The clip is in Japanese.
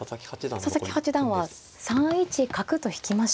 佐々木八段は３一角と引きました。